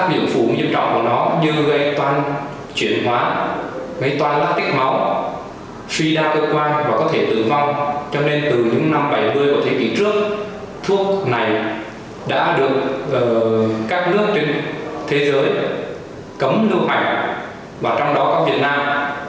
bệnh viện trước thuốc này đã được các nước trên thế giới cấm lưu mạch và trong đó có việt nam